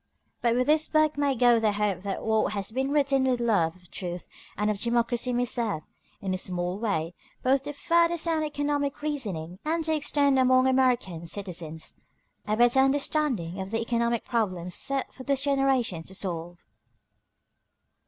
But with this book may go the hope that what has been written with love of truth and of democracy may serve, in its small way, both to further sound economic reasoning and to extend among American citizens a better understanding of the economic problems set for this generation to solve.